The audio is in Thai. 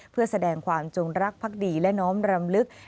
เพื่อแสดงความจงรักภักดีและน้อมรำลึก